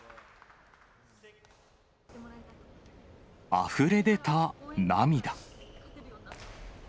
あふれ出た涙。